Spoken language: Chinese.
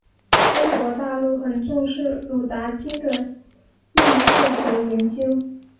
中国大陆很重视鲁达基的译介和研究。